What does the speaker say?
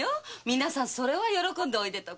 皆さんそれは喜んでおいでとか。